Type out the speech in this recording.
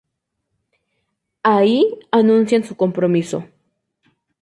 Ahí anuncian su compromiso.